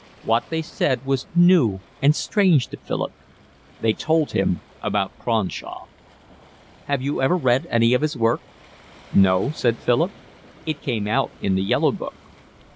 What they said was new and strange to Philip. They told him about Cronshaw. "Have you ever read any of his work?" "No," said Philip. "It came out in The Yellow Book."